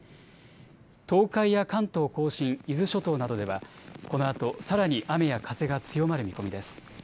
東海や関東甲信、伊豆諸島などではこのあとさらに雨や風が強まる見込みです。